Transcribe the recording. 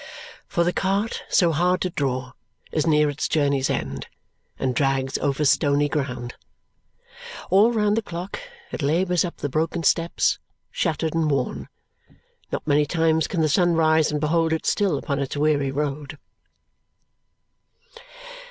For the cart so hard to draw is near its journey's end and drags over stony ground. All round the clock it labours up the broken steps, shattered and worn. Not many times can the sun rise and behold it still upon its weary road.